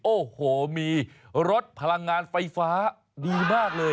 โอ้โหมีรถพลังงานไฟฟ้าดีมากเลย